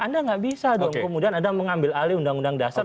anda nggak bisa dong kemudian anda mengambil alih undang undang dasar